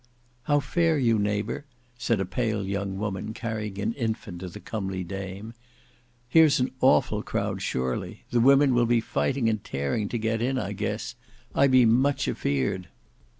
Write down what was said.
"How fare you neighbour?" said a pale young woman carrying an infant to the comely dame. "Here's an awful crowd, surely. The women will be fighting and tearing to get in, I guess. I be much afeard."